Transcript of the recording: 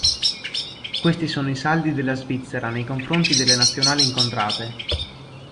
Questi sono i saldi della Svizzera nei confronti delle Nazionali incontrate.